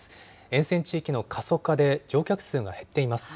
沿線地域の過疎化で乗客数が減っています。